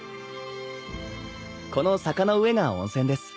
この坂の上が温泉です。